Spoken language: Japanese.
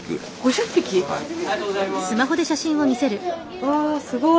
うわすごい！